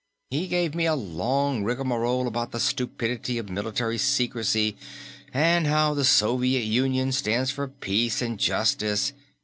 He gave me a long rigmarole about the stupidity of military secrecy, and how the Soviet Union stands for peace and justice.